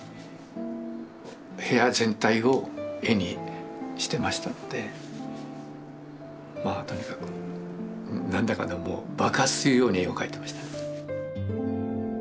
部屋全体を絵にしてましたのでまあとにかく何だかなもう爆発するように絵を描いてましたね。